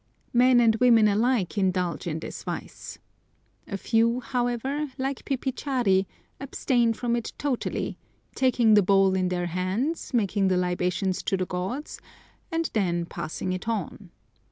Men and women alike indulge in this vice. A few, however, like Pipichari, abstain from it totally, taking the bowl in their hands, making the libations to the gods, and then passing it on.